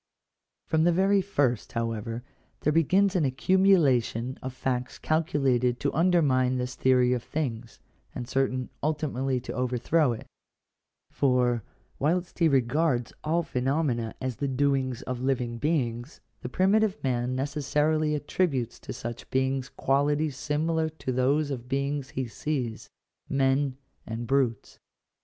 From the very first, however, there begins an accumulation of facts calculated to undermine this theory of things, and certain ultimately to overthrow it For, whilst he regards all phenomena as the doings of living beings, the primitive man necessarily attributes to such beings qualities similar to those of the beings he sees — men and brutes.